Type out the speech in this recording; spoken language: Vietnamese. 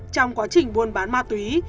trong quá trình buôn bán ma túy